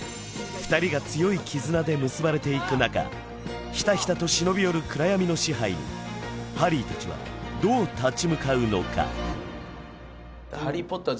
２人が強い絆で結ばれていく中ひたひたと忍び寄る暗闇の支配にハリー達はどう立ち向かうのか「ハリー・ポッター」